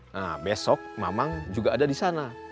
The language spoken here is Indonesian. nah besok mamang juga ada di sana